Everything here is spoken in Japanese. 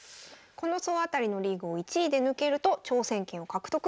この総当たりのリーグを１位で抜けると挑戦権を獲得。